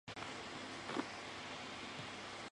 格里利镇区为美国堪萨斯州塞奇威克县辖下的镇区。